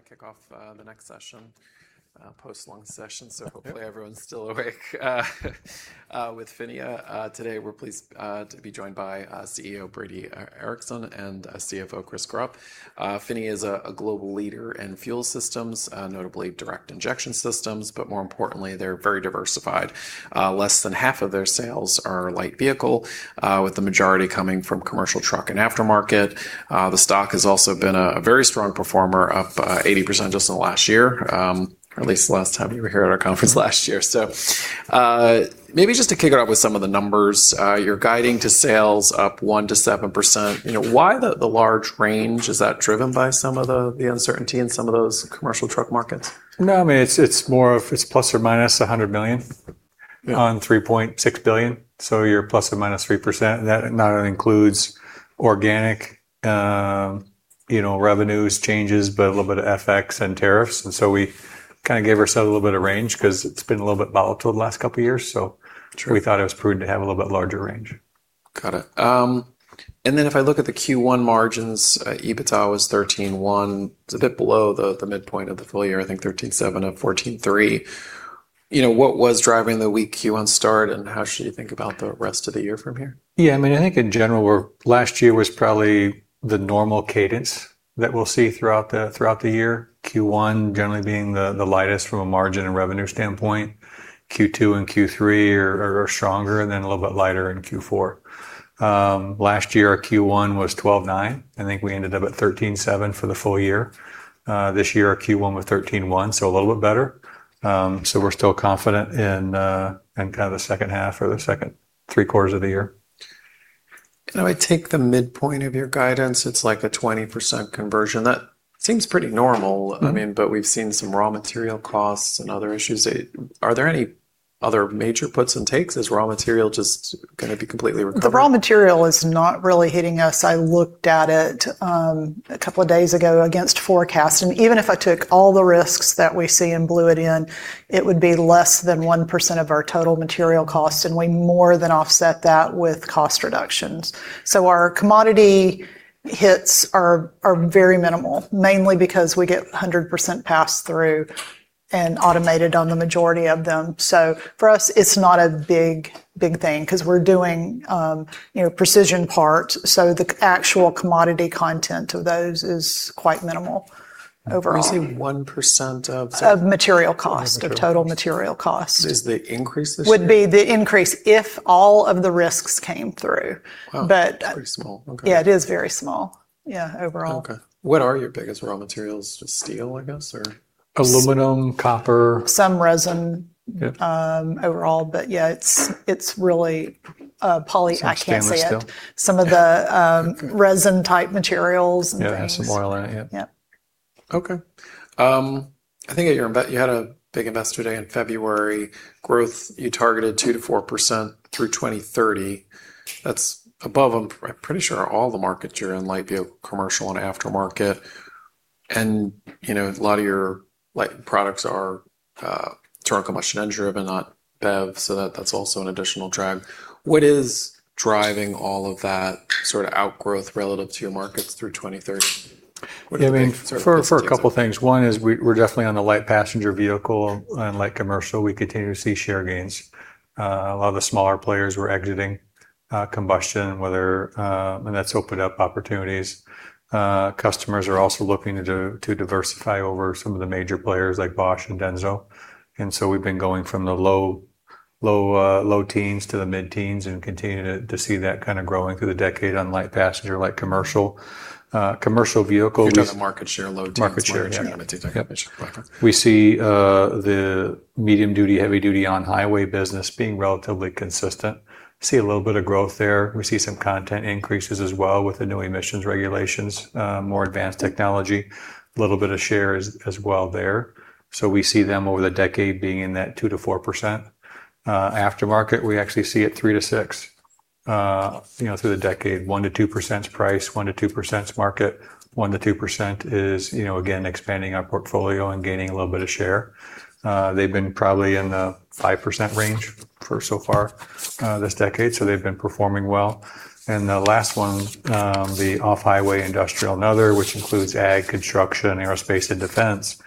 I kick off the next session, post lunch session, hopefully everyone's still awake with PHINIA. Today, we're pleased to be joined by CEO Brady Ericson and CFO Chris Gropp. PHINIA is a global leader in fuel systems, notably direct injection systems, but more importantly, they're very diversified. Less than half of their sales are light vehicle, with the majority coming from commercial truck and aftermarket. The stock has also been a very strong performer, up 80% just in the last year. At least the last time you were here at our conference last year. Maybe just to kick it off with some of the numbers. You're guiding to sales up 1%-7%. Why the large range? Is that driven by some of the uncertainty in some of those commercial truck markets? No, it's more of, it's ±$100 million- Yeah on $3.6 billion. You're ±3%. That includes organic revenues changes, but a little bit of FX and tariffs. We gave ourselves a little bit of range because it's been a little bit volatile the last couple of years, so- Sure We thought it was prudent to have a little bit larger range. Got it. If I look at the Q1 margins, EBITDA was 13.1%. It's a bit below the midpoint of the full year, I think 13.7% of 14.3%. What was driving the weak Q1 start, and how should you think about the rest of the year from here? Yeah, I think in general, last year was probably the normal cadence that we'll see throughout the year. Q1 generally being the lightest from a margin and revenue standpoint. Q2 and Q3 are stronger, and then a little bit lighter in Q4. Last year, our Q1 was 12.9%. I think we ended up at 13.7% for the full year. This year, our Q1 was 13.1%, a little bit better. We're still confident in the second half or the second three quarters of the year. If I take the midpoint of your guidance, it's like a 20% conversion. That seems pretty normal. We've seen some raw material costs and other issues. Are there any other major puts and takes? Is raw material just going to be completely recovered? The raw material is not really hitting us. I looked at it a couple of days ago against forecast, even if I took all the risks that we see and blew it in, it would be less than 1% of our total material cost, we more than offset that with cost reductions. Our commodity hits are very minimal, mainly because we get 100% pass-through and automated on the majority of them. For us, it's not a big thing because we're doing precision parts, the actual commodity content of those is quite minimal overall. When you say 1% of- Of material cost Of material cost. Of total material cost. Is the increase this year? Would be the increase if all of the risks came through. Wow. But- That's pretty small. Okay. Yeah, it is very small. Yeah, overall. Okay. What are your biggest raw materials? Just steel, I guess, or- Aluminum, copper. Some resin- Yeah overall, yeah, it's really poly. I can't see it. Some stainless steel. Some of the- Okay resin-type materials and things. Yeah, it has some oil in it, yeah. Yeah. Okay. I think you had a big Investor Day in February. Growth, you targeted 2%-4% through 2030. That's above, I'm pretty sure, all the markets you're in, like the commercial and aftermarket. A lot of your light products are internal combustion engine driven, not BEV, so that's also an additional drag. What is driving all of that sort of outgrowth relative to your markets through 2030? What are the big sort of pieces of- For a couple of things. One is we're definitely on the light passenger vehicle and light commercial. We continue to see share gains. A lot of the smaller players were exiting combustion, and that's opened up opportunities. Customers are also looking to diversify over some of the major players, like Bosch and DENSO. We've been going from the low teens to the mid-teens and continue to see that growing through the decade on light passenger, light commercial. Commercial vehicles- You're doing a market share low teens- Market share Yep. We see the medium-duty, heavy-duty on-highway business being relatively consistent. See a little bit of growth there. We see some content increases as well with the new emissions regulations, more advanced technology. A little bit of share as well there. We see them over the decade being in that 2%-4%. Aftermarket, we actually see it 3%-6%- Wow Through the decade. 1%-2% is price, 1%-2% is market, 1%-2% is again, expanding our portfolio and gaining a little bit of share. They've been probably in the 5% range for so far this decade, so they've been performing well. The last one, the off-highway industrial and other, which includes ag, construction, aerospace, and defense,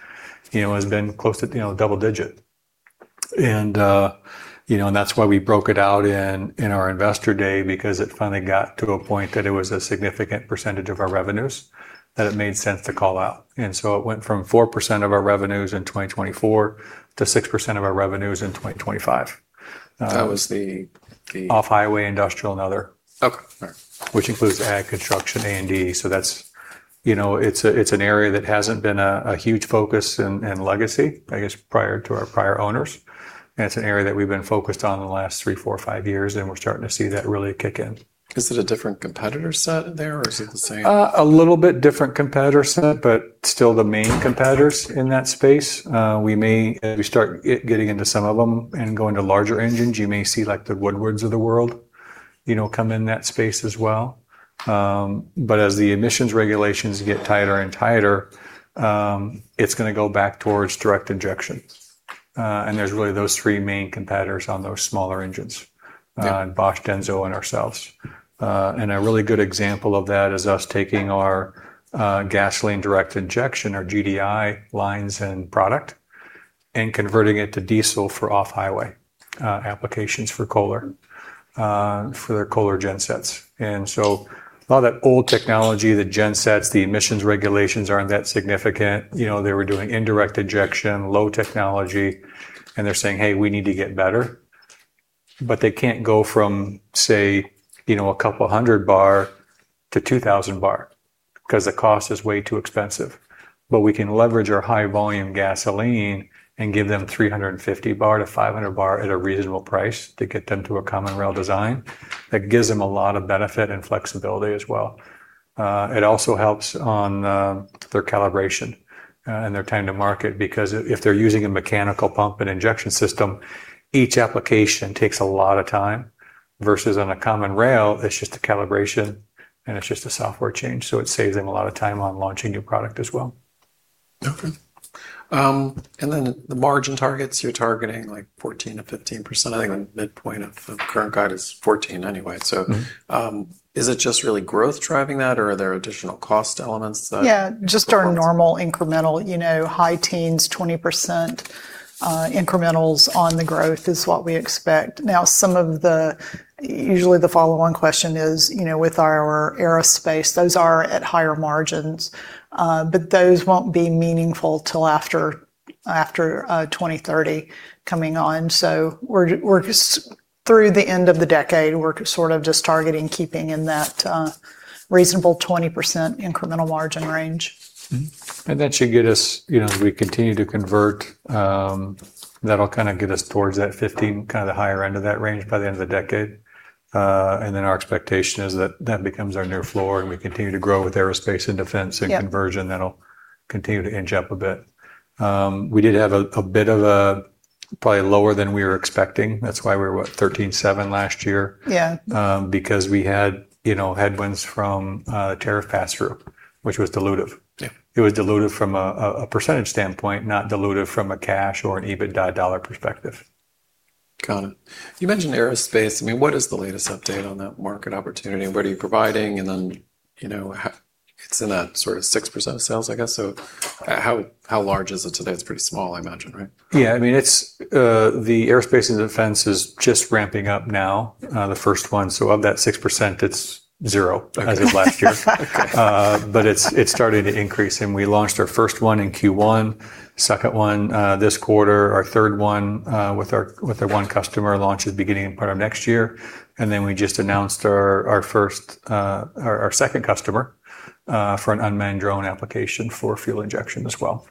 has been close to double digit. That's why we broke it out in our Investor Day because it finally got to a point that it was a significant percentage of our revenues, that it made sense to call out. It went from 4% of our revenues in 2024 to 6% of our revenues in 2025. That was the- Off-highway, industrial, and other. Okay. All right. Which includes ag, construction, A&D. It's an area that hasn't been a huge focus in legacy, I guess, prior to our prior owners. It's an area that we've been focused on in the last three, four, five years, and we're starting to see that really kick in. Is it a different competitor set there, or is it the same? A little bit different competitor set, but still the main competitors in that space. We may start getting into some of them and going to larger engines. You may see the Woodward of the world come in that space as well. As the emissions regulations get tighter and tighter, it's going to go back towards direct injection. And there's really those three main competitors on those smaller engines. Yeah. Bosch, DENSO, and ourselves. A really good example of that is us taking our gasoline direct injection, our GDi lines and product, and converting it to diesel for off-highway applications for Kohler, for their Kohler gensets. A lot of that old technology, the gensets, the emissions regulations aren't that significant. They were doing indirect injection, low technology, and they're saying, "Hey, we need to get better." They can't go from say, a couple of hundred bar to 2,000 bar, because the cost is way too expensive. We can leverage our high volume gasoline and give them 350 bar-500 bar at a reasonable price to get them to a common rail design. That gives them a lot of benefit and flexibility as well. It also helps on their calibration and their time to market, because if they're using a mechanical pump and injection system, each application takes a lot of time, versus on a common rail, it's just a calibration and it's just a software change. It saves them a lot of time on launching new product as well. Okay. The margin targets, you're targeting 14%-15%. I think the midpoint of the current guide is 14% anyway. Is it just really growth driving that, or are there additional cost elements that? Yeah, just our normal incremental, high teens, 20% incrementals on the growth is what we expect. Usually the follow-on question is, with our aerospace, those are at higher margins. Those won't be meaningful till after 2030 coming on. Through the end of the decade, we're sort of just targeting keeping in that reasonable 20% incremental margin range. That should get us, as we continue to convert, that'll kind of get us towards that 15%, kind of the higher end of that range by the end of the decade. Our expectation is that that becomes our new floor, and we continue to grow with aerospace and defense and. Yeah conversion, that'll continue to inch up a bit. We did have a bit of a probably lower than we were expecting. That's why we were, what, 13.7% last year. Yeah. We had headwinds from tariff pass-through, which was dilutive. Yeah. It was dilutive from a percentage standpoint, not dilutive from a cash or an EBITDA dollar perspective. Got it. You mentioned aerospace. What is the latest update on that market opportunity? What are you providing? It's in that sort of 6% of sales, I guess. How large is it today? It's pretty small, I imagine, right? Yeah. The aerospace and defense is just ramping up now, the first one. Of that 6%, it's zero as of last year. Okay. It's starting to increase, and we launched our first one in Q1, second one this quarter, our third one with our one customer launches beginning part of next year. Then we just announced our second customer for an unmanned drone application for fuel injection as well.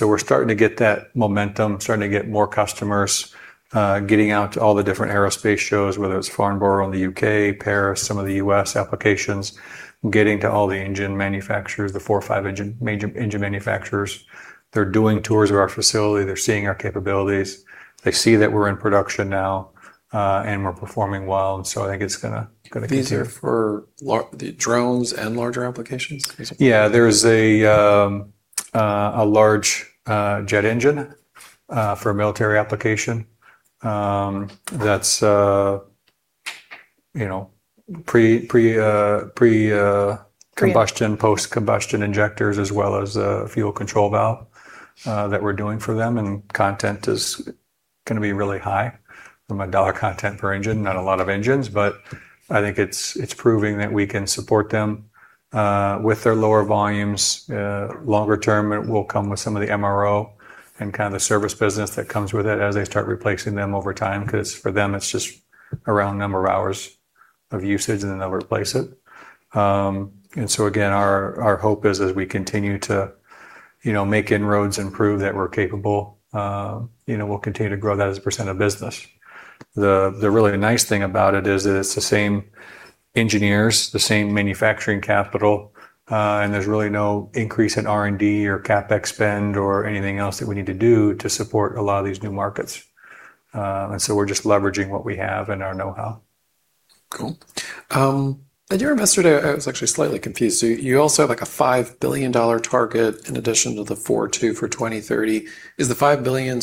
We're starting to get that momentum, starting to get more customers, getting out to all the different aerospace shows, whether it's Farnborough in the U.K., Paris, some of the U.S. applications, getting to all the engine manufacturers, the four or five major engine manufacturers. They're doing tours of our facility. They're seeing our capabilities. They see that we're in production now, and we're performing well, I think it's going to continue. These are for the drones and larger applications, is it? Yeah. There's a large jet engine for a military application that's pre-combustion, post-combustion injectors, as well as a fuel control valve that we're doing for them, and content is going to be really high from a dollar content per engine. Not a lot of engines, but I think it's proving that we can support them with their lower volumes. Longer term, it will come with some of the MRO and kind of the service business that comes with it as they start replacing them over time, because for them, it's just around number of hours of usage, and then they'll replace it. Again, our hope is as we continue to make inroads and prove that we're capable, we'll continue to grow that as a percent of business. The really nice thing about it is that it's the same engineers, the same manufacturing capital, and there's really no increase in R&D or CapEx spend or anything else that we need to do to support a lot of these new markets. We're just leveraging what we have and our know-how. Cool. At your Investor Day, I was actually slightly confused. You also have a $5 billion target in addition to the four two for 2030. Is the $5 billion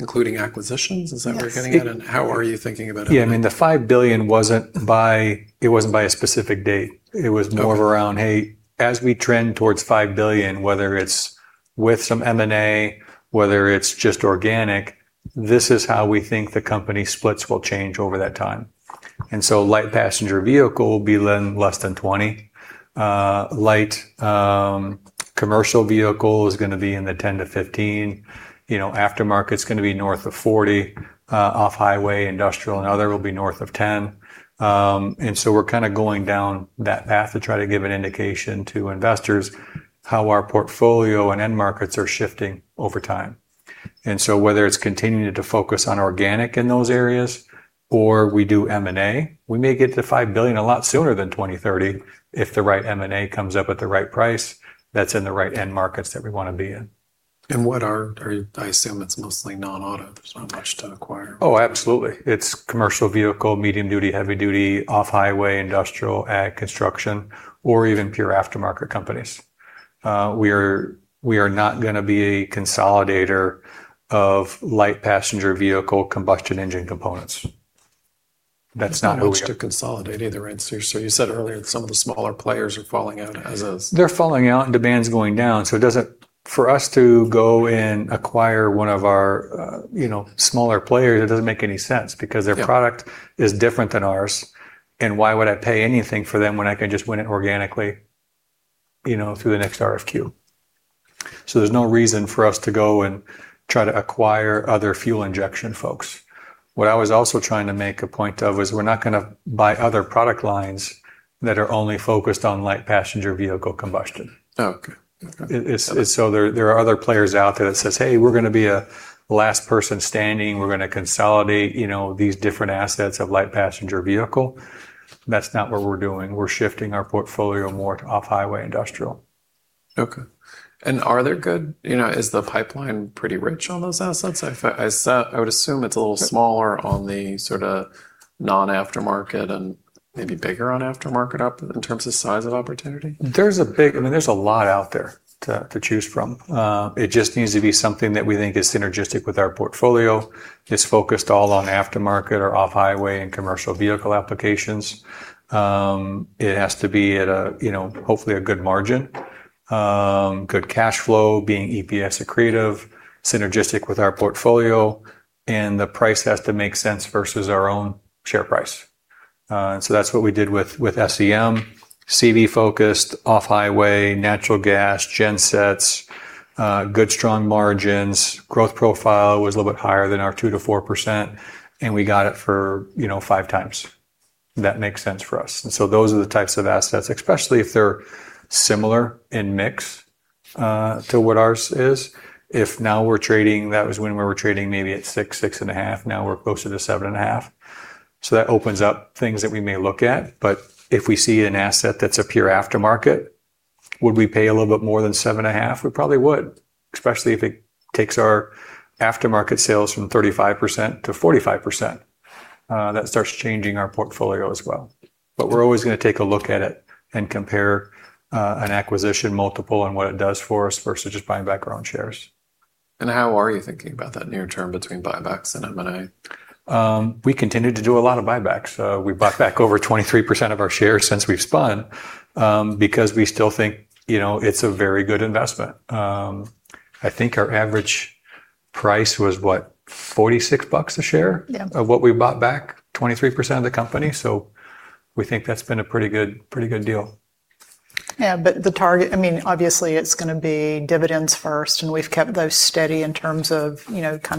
including acquisitions? Is that where we're getting at? Yes. How are you thinking about it? Yeah, the $5 billion, it wasn't by a specific date. Okay. It was more of around, hey, as we trend towards $5 billion, whether it's with some M&A, whether it's just organic, this is how we think the company splits will change over that time. Light passenger vehicle will be less than 20%. Light commercial vehicle is going to be in the 10%-15%. Aftermarket's going to be north of 40%. Off-highway, industrial, and other will be north of 10%. We're kind of going down that path to try to give an indication to investors how our portfolio and end markets are shifting over time. Whether it's continuing to focus on organic in those areas or we do M&A, we may get to $5 billion a lot sooner than 2030 if the right M&A comes up at the right price that's in the right end markets that we want to be in. I assume it's mostly non-auto. There's not much to acquire. Oh, absolutely. It's commercial vehicle, medium duty, heavy duty, off-highway, industrial, ag construction, or even pure aftermarket companies. We are not going to be a consolidator of light passenger vehicle combustion engine components. That's not who we are. There's no hopes to consolidate either end. You said earlier that some of the smaller players are falling out as is. They're falling out and demand's going down. For us to go and acquire one of our smaller players, it doesn't make any sense because their product is different than ours, and why would I pay anything for them when I can just win it organically through the next RFQ? There's no reason for us to go and try to acquire other fuel injection folks. What I was also trying to make a point of was we're not going to buy other product lines that are only focused on light passenger vehicle combustion. Okay. Got it. There are other players out there that says, "Hey, we're going to be a last person standing. We're going to consolidate these different assets of light passenger vehicle." That's not what we're doing. We're shifting our portfolio more to off-highway industrial. Okay. Is the pipeline pretty rich on those assets? I would assume it's a little smaller on the sort of non-aftermarket and maybe bigger on aftermarket in terms of size of opportunity. There's a lot out there to choose from. It just needs to be something that we think is synergistic with our portfolio, is focused all on aftermarket or off-highway and commercial vehicle applications. It has to be at, hopefully a good margin, good cash flow, being EPS accretive, synergistic with our portfolio, and the price has to make sense versus our own share price. That's what we did with SEM, CV focused, off-highway, natural gas, gensets, good strong margins. Growth profile was a little bit higher than our 2%-4%, and we got it for 5x. That makes sense for us. Those are the types of assets, especially if they're similar in mix to what ours is. If now we're trading, that was when we were trading maybe at 6.5. Now we're closer to 7.5. That opens up things that we may look at. If we see an asset that's a pure aftermarket, would we pay a little bit more than seven and a half? We probably would, especially if it takes our aftermarket sales from 35% to 45%. That starts changing our portfolio as well. We're always going to take a look at it and compare an acquisition multiple and what it does for us versus just buying back our own shares. How are you thinking about that near term between buybacks and M&A? We continue to do a lot of buybacks. We bought back over 23% of our shares since we've spun, because we still think it's a very good investment. I think our average price was what? $46 bucks a share? Yeah. Of what we bought back, 23% of the company. We think that's been a pretty good deal. The target. Obviously it's going to be dividends first, and we've kept those steady in terms of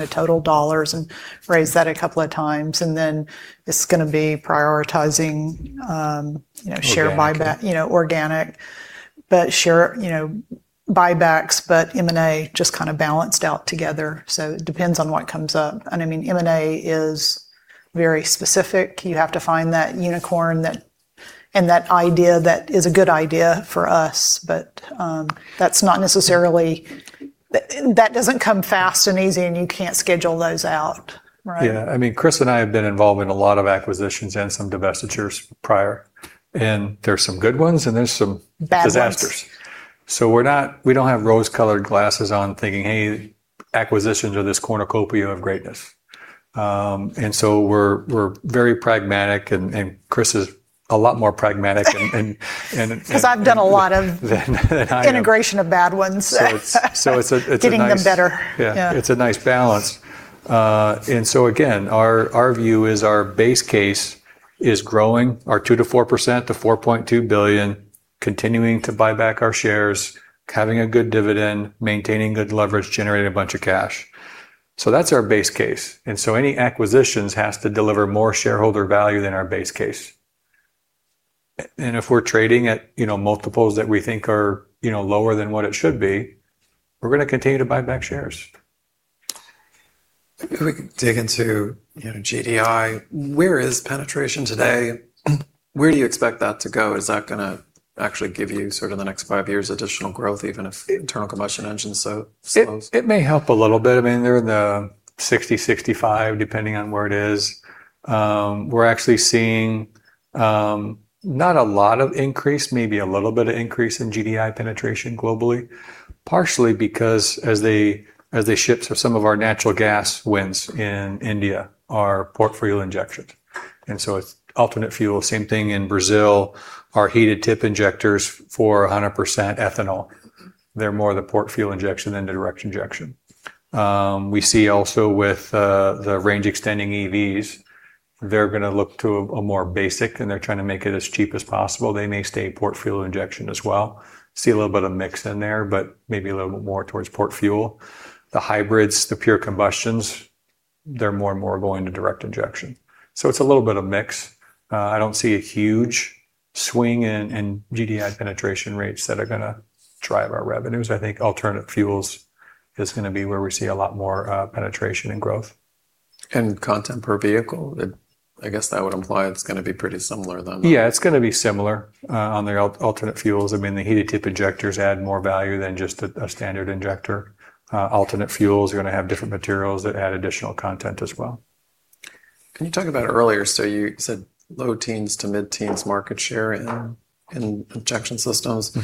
total dollars and raised that a couple of times. It's going to be prioritizing. Organic Share buyback, organic. Share buybacks, M&A just kind of balanced out together. It depends on what comes up. M&A is very specific. You have to find that unicorn and that idea that is a good idea for us. That doesn't come fast and easy, and you can't schedule those out, right? Chris and I have been involved in a lot of acquisitions and some divestitures prior, and there are some good ones, and there's some. Bad ones. disasters. We don't have rose-colored glasses on thinking, "Hey, acquisitions are this cornucopia of greatness." We're very pragmatic and Chris is a lot more pragmatic and Because I've done a lot of Than I am integration of bad ones. it's a nice- Getting them better. Yeah. Yeah. It's a nice balance. Again, our view is our base case is growing our 2%-4% to $4.2 billion, continuing to buy back our shares, having a good dividend, maintaining good leverage, generating a bunch of cash. That's our base case. Any acquisitions has to deliver more shareholder value than our base case. If we're trading at multiples that we think are lower than what it should be, we're going to continue to buy back shares. If we could dig into GDi. Where is penetration today? Where do you expect that to go? Is that going to actually give you sort of the next five years additional growth even if internal combustion engines slows? It may help a little bit. They're in the 60, 65, depending on where it is. We're actually seeing not a lot of increase, maybe a little bit of increase in GDi penetration globally. Partially because as they ship some of our natural gas wins in India are port fuel injection, and so it's alternate fuel. Same thing in Brazil, our Heated Tip Injectors for 100% ethanol. They're more the port fuel injection than the direct injection. We see also with the range extending EVs, they're going to look to a more basic, and they're trying to make it as cheap as possible. They may stay port fuel injection as well. See a little bit of mix in there, but maybe a little bit more towards port fuel. The hybrids, the pure combustions, they're more and more going to direct injection. It's a little bit of mix. I don't see a huge swing in GDi penetration rates that are going to drive our revenues. I think alternate fuels is going to be where we see a lot more penetration and growth. Content per vehicle. I guess that would imply it's going to be pretty similar then. Yeah, it's going to be similar on the alternate fuels. The Heated Tip Injectors add more value than just a standard injector. Alternate fuels are going to have different materials that add additional content as well. Can you talk about it earlier, you said low teens to mid-teens market share in injection systems.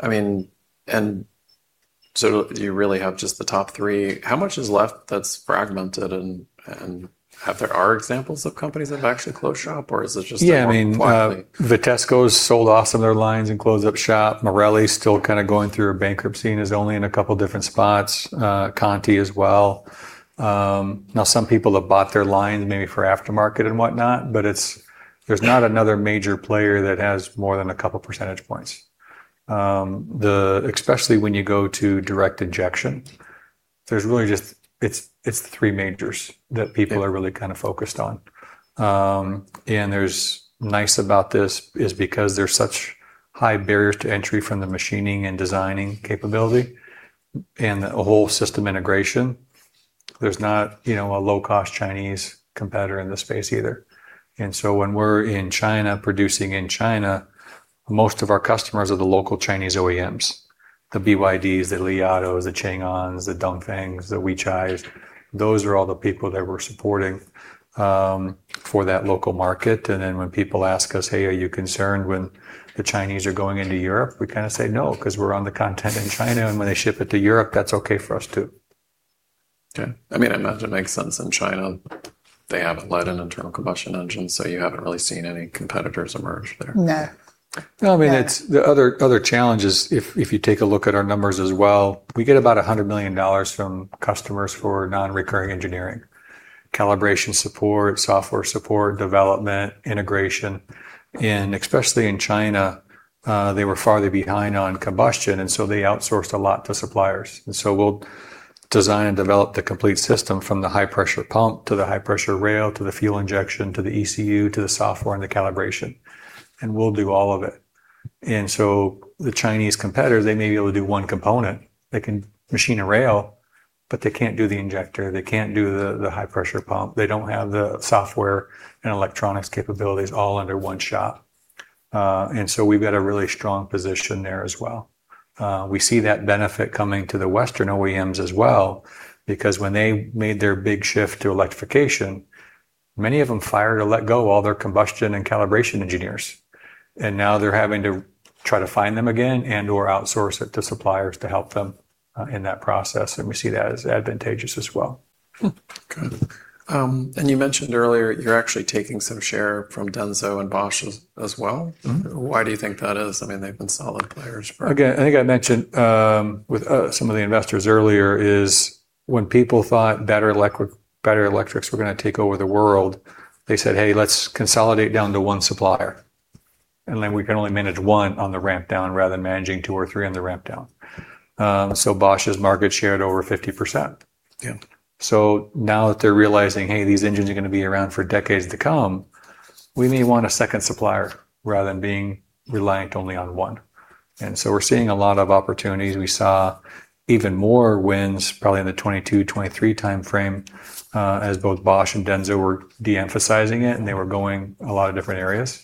I mean, do you really have just the top three? How much is left that's fragmented, and have there are examples of companies that have actually closed shop, or is this just more quietly? Yeah, Vitesco's sold off some of their lines and closed up shop. Marelli's still kind of going through a bankruptcy and is only in a couple different spots. Continental as well. Now some people have bought their lines maybe for aftermarket and whatnot, but there's not another major player that has more than a couple percentage points. Especially when you go to direct injection, it's the three majors that people are really focused on. What's nice about this is because there's such high barriers to entry from the machining and designing capability and the whole system integration, there's not a low-cost Chinese competitor in this space either. When we're in China producing in China, most of our customers are the local Chinese OEMs. The BYD, the Li Auto, the Changan, the Dongfeng, the Weichai, those are all the people that we're supporting for that local market. When people ask us, "Hey, are you concerned when the Chinese are going into Europe?" We kind of say, "No, because we're on the content in China, and when they ship it to Europe, that's okay for us, too. Okay. I imagine it makes sense in China. They haven't led an internal combustion engine, you haven't really seen any competitors emerge there. No. No, the other challenge is if you take a look at our numbers as well, we get about $100 million from customers for non-recurring engineering. Calibration support, software support, development, integration. Especially in China, they were farther behind on combustion, so they outsourced a lot to suppliers. We'll design and develop the complete system from the high-pressure pump to the high-pressure rail, to the fuel injection, to the ECU, to the software and the calibration. We'll do all of it. The Chinese competitors, they may be able to do one component. They can machine a rail, but they can't do the injector. They can't do the high-pressure pump. They don't have the software and electronics capabilities all under one shop. We've got a really strong position there as well. We see that benefit coming to the Western OEMs as well, because when they made their big shift to electrification, many of them fired or let go all their combustion and calibration engineers. Now they're having to try to find them again and/or outsource it to suppliers to help them in that process, and we see that as advantageous as well. Good. You mentioned earlier you're actually taking some share from DENSO and Bosch as well. Why do you think that is? They've been solid players for- I think I mentioned with some of the investors earlier is when people thought battery electrics were going to take over the world, they said, "Hey, let's consolidate down to one supplier. We can only manage one on the ramp down rather than managing two or three on the ramp down." Bosch's market shared over 50%. Yeah. Now that they're realizing, hey, these engines are going to be around for decades to come, we may want a second supplier rather than being reliant only on one. We're seeing a lot of opportunities. We saw even more wins probably in the 2022, 2023 timeframe, as both Bosch and DENSO were de-emphasizing it, and they were going a lot of different areas.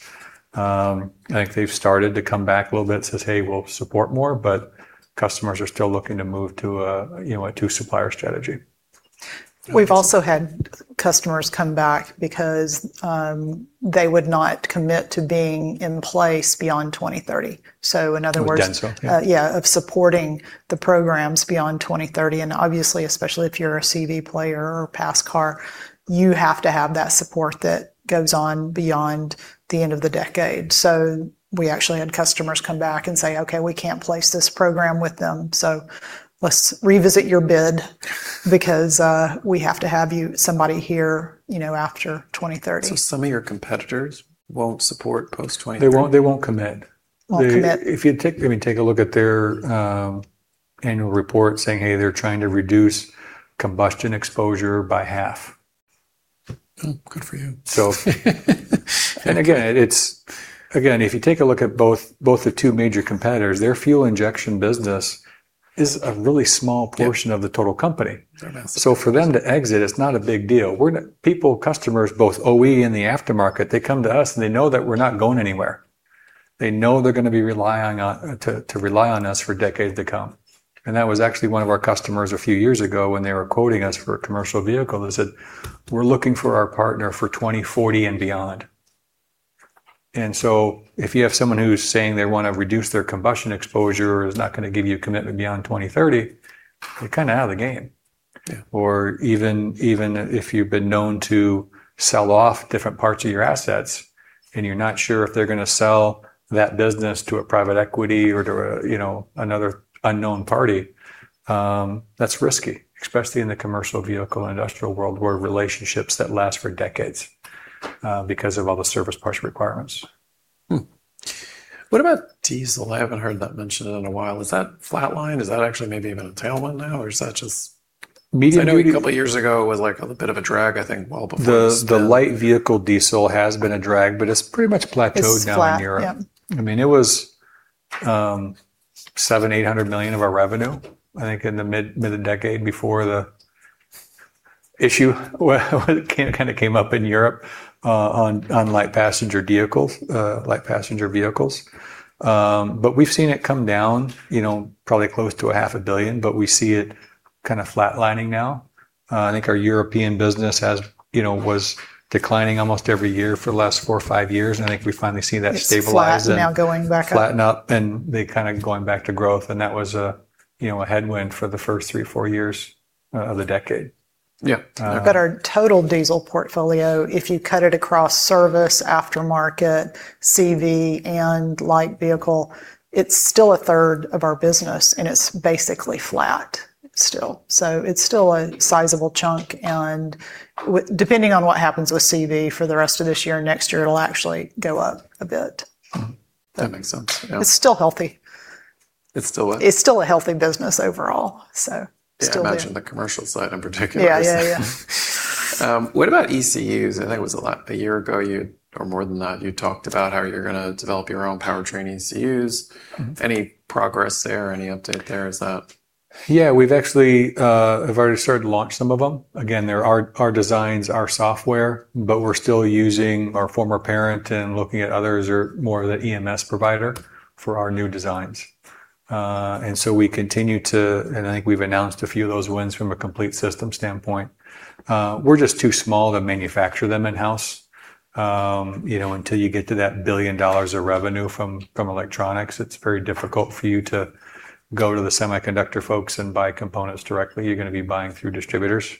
I think they've started to come back a little bit and say, "Hey, we'll support more," but customers are still looking to move to a two-supplier strategy. We've also had customers come back because they would not commit to being in place beyond 2030. In other words- With DENSO? Yeah of supporting the programs beyond 2030, obviously, especially if you're a CV player or pass car, you have to have that support that goes on beyond the end of the decade. We actually had customers come back and say, "Okay, we can't place this program with them, so let's revisit your bid because we have to have somebody here after 2030. Some of your competitors won't support post-2030. They won't commit. Won't commit. If you take a look at their annual report saying, hey, they're trying to reduce combustion exposure by half. Oh, good for you. Again, if you take a look at both the two major competitors, their fuel injection business is a really small portion of the total company. Fair enough. For them to exit, it's not a big deal. Customers, both OE and the aftermarket, they come to us, they know that we're not going anywhere. They know they're going to be to rely on us for decades to come. That was actually one of our customers a few years ago when they were quoting us for a commercial vehicle. They said, "We're looking for our partner for 2040 and beyond." If you have someone who's saying they want to reduce their combustion exposure or is not going to give you a commitment beyond 2030, you're kind of out of the game. Yeah. Even if you've been known to sell off different parts of your assets and you're not sure if they're going to sell that business to a private equity or to another unknown party, that's risky, especially in the commercial vehicle and industrial world where relationships that last for decades because of all the service parts requirements. What about diesel? I haven't heard that mentioned in a while. Is that flatlined? Is that actually maybe even a tailwind now, or is that? Medium I know a couple of years ago, it was a bit of a drag, I think. The light vehicle diesel has been a drag, but it's pretty much plateaued now in Europe. It's flat, yeah. It was $700, $800 million of our revenue, I think in the mid of the decade before the issue kind of came up in Europe on light passenger vehicles. We've seen it come down probably close to $500 million, but we see it kind of flatlining now I think our European business was declining almost every year for the last four or five years. I think we finally see that stabilize. It's flat and now going back up flatten out and they kind of going back to growth, and that was a headwind for the first three, four years of the decade. Yeah. Our total diesel portfolio, if you cut it across service, aftermarket, CV, and light vehicle, it's still a third of our business, and it's basically flat still. It's still a sizable chunk, and depending on what happens with CV for the rest of this year, next year, it'll actually go up a bit. That makes sense. Yeah. It's still healthy. It's still what? It's still a healthy business overall, so still good. Yeah, I imagine the commercial side in particular. Yeah. What about ECUs? I think it was a year ago, or more than that, you talked about how you're going to develop your own powertrain ECUs. Any progress there or any update there? Is that Yeah, we've actually have already started to launch some of them. Again, they're our designs, our software, but we're still using our former parent and looking at others who are more the EMS provider for our new designs. We continue to, and I think we've announced a few of those wins from a complete system standpoint. We're just too small to manufacture them in-house. Until you get to that $1 billion of revenue from electronics, it's very difficult for you to go to the semiconductor folks and buy components directly. You're going to be buying through distributors.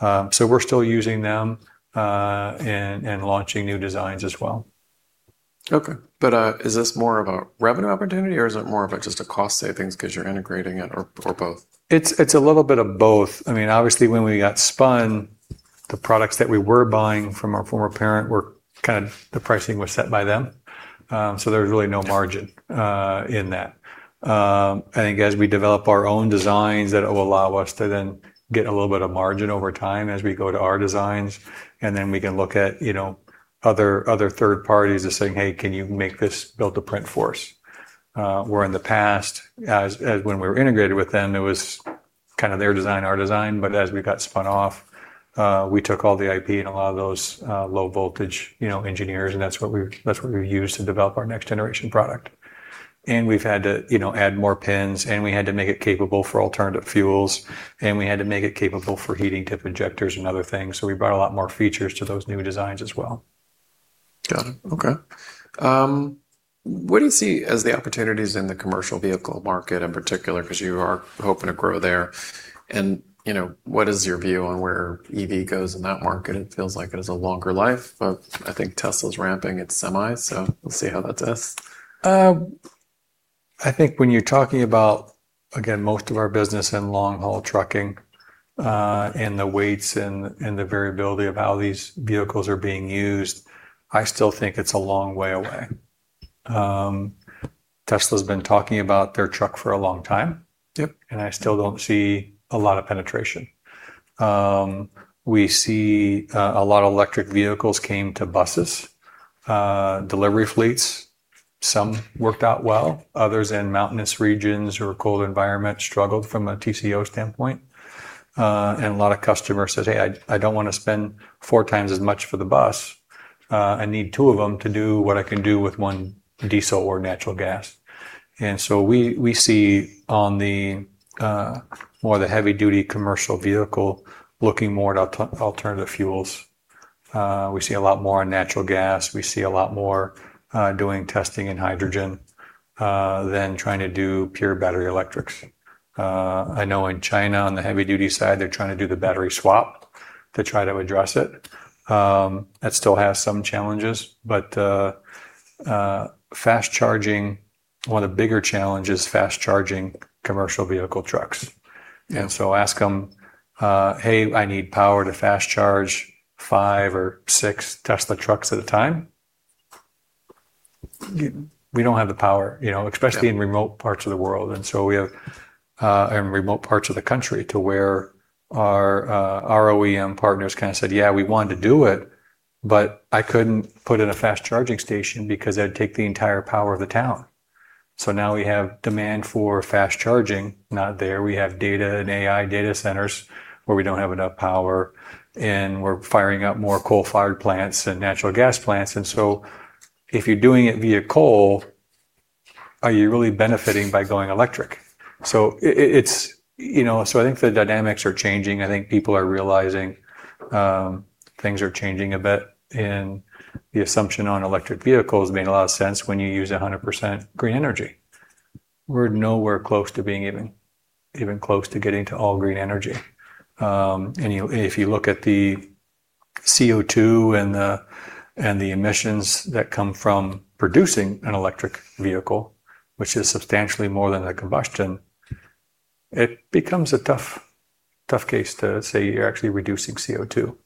We're still using them and launching new designs as well. Okay. Is this more of a revenue opportunity, or is it more of just a cost savings because you're integrating it, or both? It's a little bit of both. Obviously, when we got spun, the products that we were buying from our former parent, the pricing was set by them. There was really no margin in that. I think as we develop our own designs, that will allow us to then get a little bit of margin over time as we go to our designs, and then we can look at other third parties as saying, "Hey, can you make this build-to-print for us?" Where in the past, as when we were integrated with them, it was kind of their design, our design. As we got spun off, we took all the IP and a lot of those low voltage engineers, and that's what we've used to develop our next generation product. We've had to add more pins, and we had to make it capable for alternative fuels, and we had to make it capable for Heated Tip Injectors and other things. We brought a lot more features to those new designs as well. Got it. Okay. What do you see as the opportunities in the commercial vehicle market in particular? Because you are hoping to grow there. What is your view on where EV goes in that market? It feels like it has a longer life, but I think Tesla's ramping its semis, we'll see how that does. I think when you're talking about, again, most of our business in long-haul trucking, and the weights and the variability of how these vehicles are being used, I still think it's a long way away. Tesla's been talking about their truck for a long time. Yep. I still don't see a lot of penetration. We see a lot of electric vehicles came to buses, delivery fleets. Some worked out well, others in mountainous regions or cold environments struggled from a TCO standpoint. A lot of customers said, "Hey, I don't want to spend four times as much for the bus. I need two of them to do what I can do with one diesel or natural gas." We see on more the heavy duty commercial vehicle looking more to alternative fuels. We see a lot more on natural gas. We see a lot more doing testing in hydrogen than trying to do pure battery electrics. I know in China, on the heavy duty side, they're trying to do the battery swap to try to address it. That still has some challenges, one of the bigger challenges is fast charging commercial vehicle trucks. Yeah. Ask them, "Hey, I need power to fast charge five or six Tesla trucks at a time." We don't have the power. Yeah In remote parts of the world and remote parts of the country, to where our OEM partners said, "Yeah, we want to do it, but I couldn't put in a fast charging station because that'd take the entire power of the town." Now we have demand for fast charging not there. We have data and AI data centers where we don't have enough power, and we're firing up more coal-fired plants and natural gas plants. If you're doing it via coal, are you really benefiting by going electric? I think the dynamics are changing. I think people are realizing things are changing a bit, and the assumption on electric vehicles made a lot of sense when you use 100% green energy. We're nowhere close to being even close to getting to all green energy. If you look at the CO2 and the emissions that come from producing an electric vehicle, which is substantially more than a combustion, it becomes a tough case to say you're actually reducing CO2.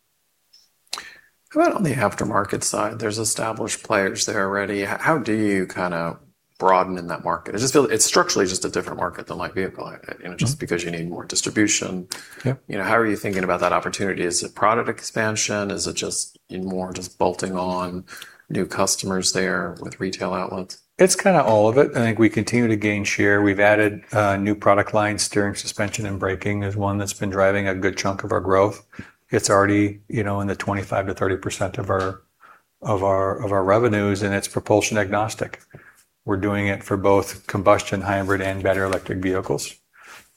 How about on the aftermarket side? There's established players there already. How do you kind of broaden in that market? I just feel it's structurally just a different market than light vehicle, just because you need more distribution. Yep. How are you thinking about that opportunity? Is it product expansion? Is it just more just bolting on new customers there with retail outlets? It's kind of all of it. I think we continue to gain share. We've added new product lines. Steering suspension and braking is one that's been driving a good chunk of our growth. It's already in the 25%-30% of our revenues and it's propulsion agnostic. We're doing it for both combustion, hybrid, and better electric vehicles.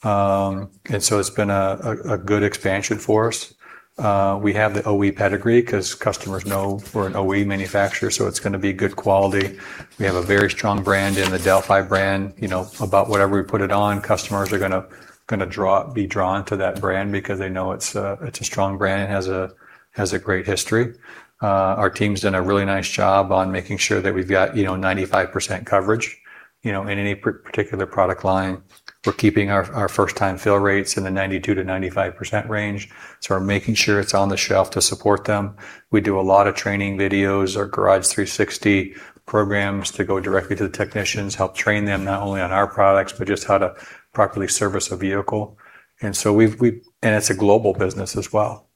So it's been a good expansion for us. We have the OE pedigree because customers know we're an OE manufacturer, so it's going to be good quality. We have a very strong brand in the Delphi brand. About whatever we put it on, customers are going to be drawn to that brand because they know it's a strong brand, it has a great history. Our team's done a really nice job on making sure that we've got 95% coverage in any particular product line. We're keeping our first-time fill rates in the 92%-95% range. We're making sure it's on the shelf to support them. We do a lot of training videos, our Garage 360 programs to go directly to the technicians, help train them not only on our products, but just how to properly service a vehicle. It's a global business as well,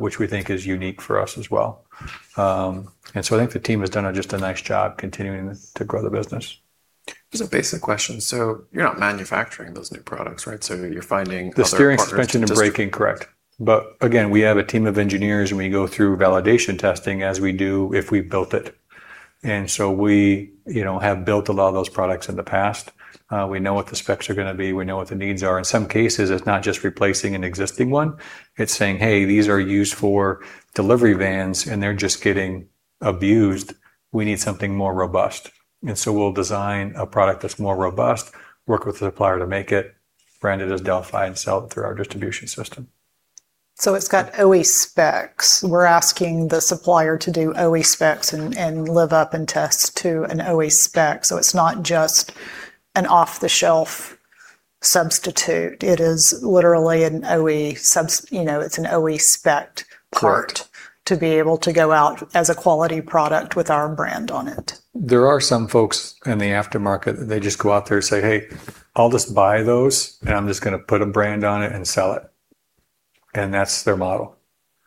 which we think is unique for us as well. I think the team has done just a nice job continuing to grow the business. Just a basic question. You're not manufacturing those new products, right? You're finding other partners. The steering, suspension, and braking, correct. Again, we have a team of engineers, and we go through validation testing as we do if we built it. We have built a lot of those products in the past. We know what the specs are going to be. We know what the needs are. In some cases, it's not just replacing an existing one. It's saying, "Hey, these are used for delivery vans and they're just getting abused. We need something more robust." We'll design a product that's more robust, work with the supplier to make it, brand it as Delphi, and sell it through our distribution system. It's got OE specs. We're asking the supplier to do OE specs and live up and test to an OE spec. It's not just an off-the-shelf substitute. It is literally an OE spec'd part. Correct To be able to go out as a quality product with our brand on it. There are some folks in the aftermarket that they just go out there and say, "Hey, I'll just buy those and I'm just going to put a brand on it and sell it." That's their model.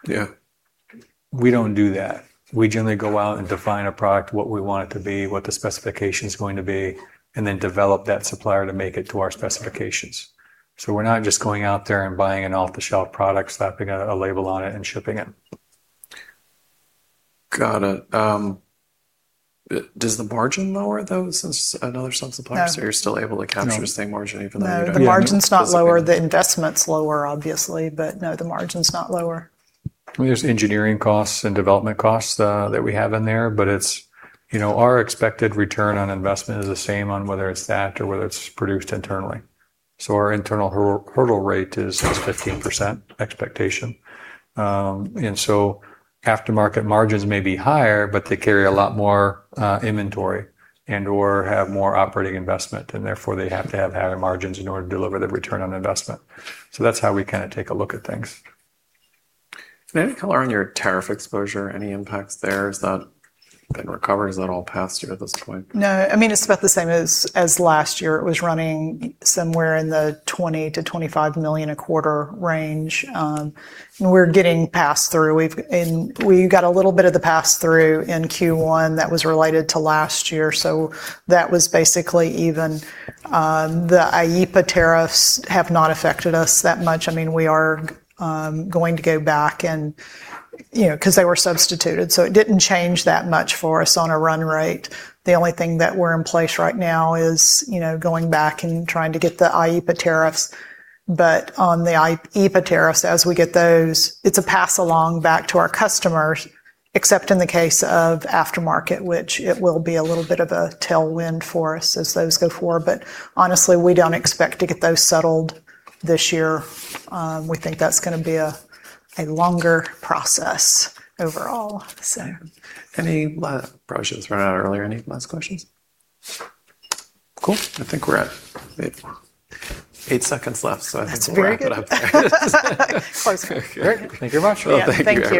Yeah. We don't do that. We generally go out and define a product, what we want it to be, what the specification's going to be, and then develop that supplier to make it to our specifications. We're not just going out there and buying an off-the-shelf product, slapping a label on it, and shipping it. Got it. Does the margin lower, though, since another. No supplier, you're still able to capture- No the same margin even though you're- No doing the physical- The margin's not lower. The investment's lower obviously, but no, the margin's not lower. There's engineering costs and development costs that we have in there, but our expected return on investment is the same on whether it's that or whether it's produced internally. Our internal hurdle rate is 15% expectation. Aftermarket margins may be higher, but they carry a lot more inventory and/or have more operating investment, and therefore, they have to have added margins in order to deliver the return on investment. That's how we take a look at things. Any color on your tariff exposure? Any impacts there? Has that been recovered? Is that all passed through at this point? No, it's about the same as last year. It was running somewhere in the $20 million-$25 million a quarter range. We're getting pass-through. We got a little bit of the pass-through in Q1 that was related to last year, that was basically even. The IEEPA tariffs have not affected us that much. We are going to go back and, because they were substituted, it didn't change that much for us on a run rate. The only thing that we're in place right now is going back and trying to get the IEEPA tariffs. On the IEEPA tariffs, as we get those, it's a pass along back to our customers, except in the case of aftermarket, which it will be a little bit of a tailwind for us as those go forward. Honestly, we don't expect to get those settled this year. We think that's going to be a longer process overall. Probably should have thrown it out earlier. Any last questions? Cool. I think we're at eight seconds left, I think we'll That's very good Wrap it up there. Close. Okay. Great. Thank you very much. Well, thank you.